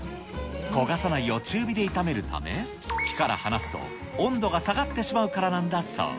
焦がさないよう中火で炒めるため、火から離すと、温度が下がってしまうからなんだそう。